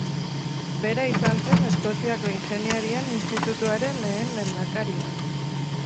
Bera izan zen Eskoziako ingeniarien institutuaren lehen lehendakaria.